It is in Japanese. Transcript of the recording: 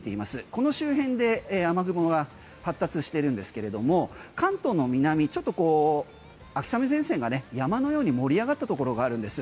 この周辺で雨雲が発達してるんですけれども関東の南ちょっと秋雨前線が山のように盛り上がったところがあるんです。